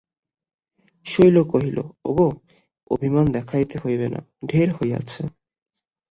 শৈল কহিল, ওগো, অভিমান দেখাইতে হইবে না, ঢের হইয়াছে।